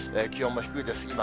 気温も低いです。